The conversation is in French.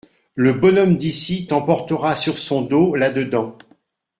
Le bonhomme d'ici t'emportera sur son dos là-dedans.